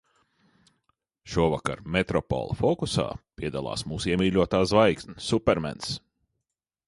"Šovakar "Metropole fokusā" piedalās mūsu iemīļotā zvaigzne, Supermens!"